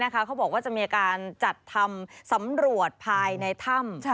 เขาบอกว่าจะมีการจัดทำสำรวจภายในถ้ำ